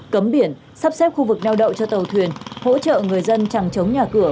cấm biển sắp xếp khu vực neo đậu cho tàu thuyền hỗ trợ người dân chẳng chống nhà cửa